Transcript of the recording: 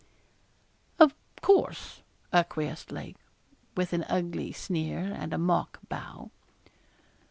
'Of course,' acquiesced Lake, with an ugly sneer, and a mock bow.